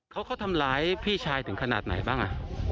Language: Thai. เขาก็ทำร้ายพี่ชายถึงขนาดไหนบ้าง